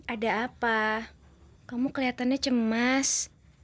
ada apa kamu kelihatannya cemas